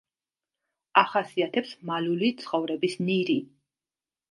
ახასიათებს მალული ცხოვრების ნირი.